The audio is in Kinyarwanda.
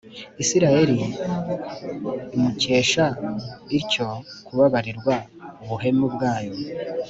Israheli imukesha ityo kubabarirwa ubuhemu bwayo.